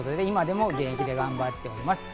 今も現役で走っております。